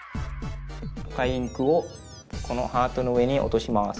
赤いインクをこのハートの上に落とします。